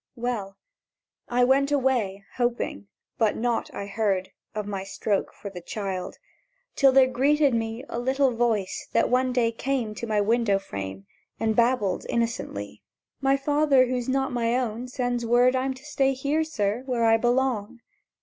—Well, I went away, hoping; but nought I heard Of my stroke for the child, till there greeted me A little voice that one day came To my window frame And babbled innocently: "My father who's not my own, sends word I'm to stay here, sir, where I belong!"